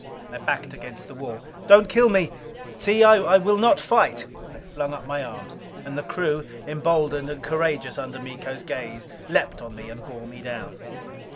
I backed against the wall. "Don't kill me! See, I will not fight!" I flung up my arms. And the crew, emboldened and courageous under Miko's gaze, leaped on me and bore me down.